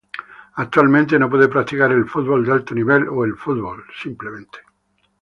Actualmente no puedo practicar el fútbol de alto nivel, o el fútbol, simplemente.